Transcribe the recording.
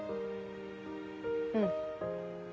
うん。